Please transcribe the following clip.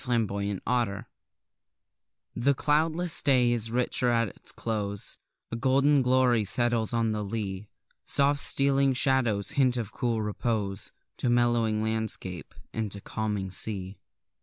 Lovecraft The cloudless day is richer at its close; A golden glory settles on the lea; Soft stealing shadows hint of cool repose To mellowing landscape, and to calming sea.